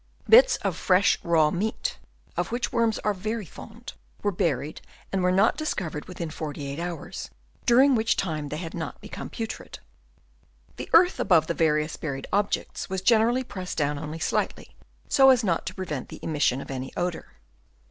Bits of fresh raw meat, of which worms are very fond, were buried, and were not dis covered within forty eight hours, during which time they had not become putrid. The earth above the various buried objects was generally pressed down only slightly, so as not to prevent the emission of any odour.